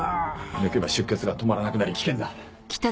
抜けば出血が止まらなくなり危険だ。